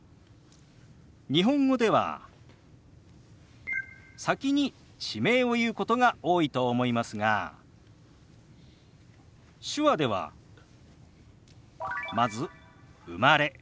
日本語では先に地名を言うことが多いと思いますが手話ではまず「生まれ」。